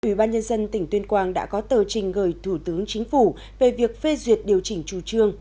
ủy ban nhân dân tỉnh tuyên quang đã có tờ trình gửi thủ tướng chính phủ về việc phê duyệt điều chỉnh chủ trương